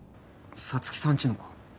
沙月さんちのか？